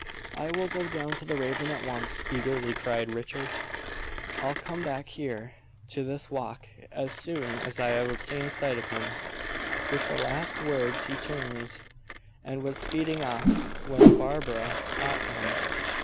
"I will go down to the Raven at once," eagerly cried Richard. "I'll come back here, to this walk, as soon as I have obtained sight of him." With the last words he turned, and was speeding off, when Barbara caught him.